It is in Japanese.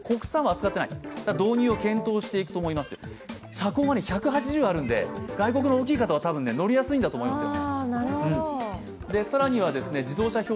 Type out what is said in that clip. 車高が１８０あるんで、外国の大きい方は多分乗りやすいんだと思いますよ。